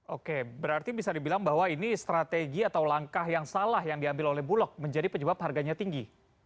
oke berarti bisa dibilang bahwa ini strategi atau langkah yang salah yang diambil oleh bulog menjadi penyebab harganya tinggi